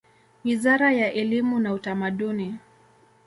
Wizara ya elimu na Utamaduni.